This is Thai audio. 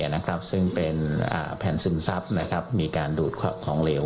ซึ่งเป็นแผ่นซึมซับนะครับมีการดูดของเหลว